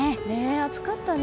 暑かったね。